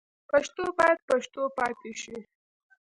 پښتو باید پښتو پاتې شي.